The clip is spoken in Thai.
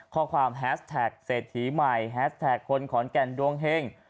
ขอความแฮสแท็กเศสถีใหม่แฮสแท็กคนขอนแก่นดวงเฮ่ง